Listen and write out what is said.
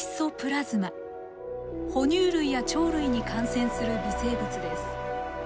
哺乳類や鳥類に感染する微生物です。